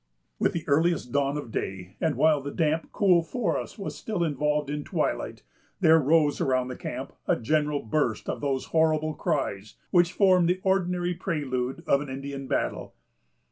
With the earliest dawn of day, and while the damp, cool forest was still involved in twilight, there rose around the camp a general burst of those horrible cries which form the ordinary prelude of an Indian battle.